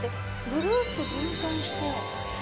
ぐるっと循環して。